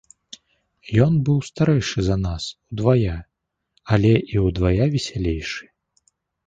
Ён быў старэйшы за нас удвая, але і ўдвая весялейшы.